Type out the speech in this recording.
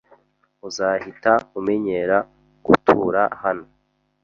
Uzahita umenyera gutura hano. )